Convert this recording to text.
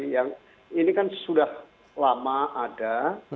yang ini kan sudah lama ada